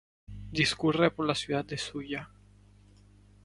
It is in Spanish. Discurre por la ciudad de Shuya.